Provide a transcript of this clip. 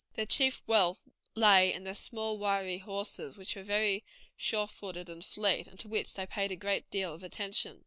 Their chief wealth lay in their small, wiry horses, which were very sure footed and fleet, and to which they paid a great deal of attention.